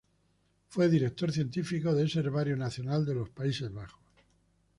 Fue director científico de ese Herbario Nacional de los Países Bajos.